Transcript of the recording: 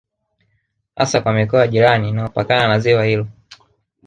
Hasa kwa mikoa ya jirani inayopakana na ziwa hilo